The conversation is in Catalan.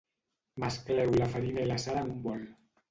Mescleu la farina i la sal en un bol.